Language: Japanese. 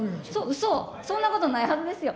うそ、そんなことないはずですよ。